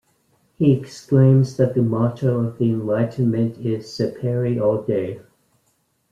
He exclaims that the motto of enlightenment is "Sapere aude"!